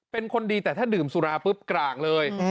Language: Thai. เป็นคนดีแต่ถ้าดื่มสุราปุ๊บกลางเลย